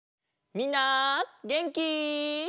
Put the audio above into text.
みんなげんき？